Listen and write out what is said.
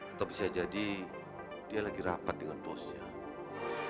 atau bisa jadi dia lagi rapat dengan bosnya